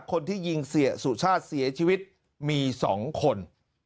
คนที่ยิงเสียสุชาติเสียชีวิตมี๒คน